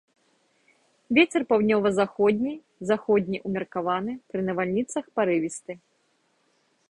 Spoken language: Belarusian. Вецер паўднёва-заходні, заходні ўмеркаваны, пры навальніцах парывісты.